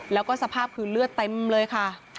แล้วก็สภาพคือเลือดเต็มเลยค่ะ